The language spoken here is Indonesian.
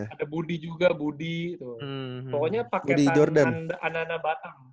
ada budi juga budi pokoknya pake anak anak batam